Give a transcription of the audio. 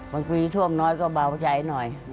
บางทีท่วมน้อยก็เบาใจหน่อย